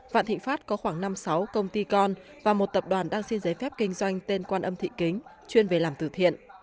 vạn thịnh pháp có khoảng năm sáu công ty con và một tập đoàn đang xin giấy phép kinh doanh tên quan âm thị kính chuyên về làm từ thiện